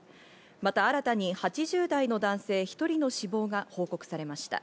また新たに８０代の男性１人の死亡が報告されました。